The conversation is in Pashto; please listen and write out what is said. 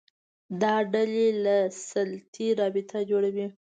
دا ډلې له سلطې رابطه جوړوي